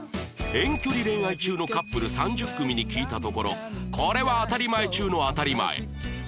遠距離恋愛中のカップル３０組に聞いたところこれは当たり前中の当たり前！